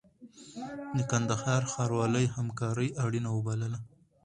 د کندهار ښاروالۍ همکاري اړینه وبلله.